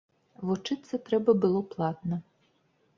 Вучыцца трэба было платна.